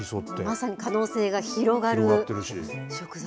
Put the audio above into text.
まさに可能性が広がる食材。